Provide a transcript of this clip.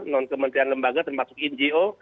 non kementerian lembaga termasuk ngo